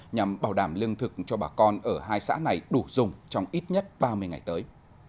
nhằm bảo đảm lương thực cho bà con ở hai xã này đủ dùng trong ít nhất ba mươi ngày tới